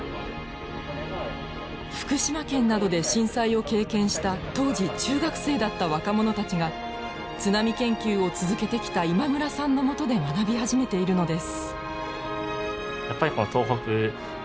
福島県などで震災を経験した当時中学生だった若者たちが津波研究を続けてきた今村さんのもとで学び始めているのです。